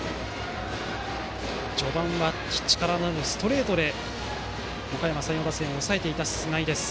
序盤は力のあるストレートでおかやま山陽打線を抑えていた菅井です。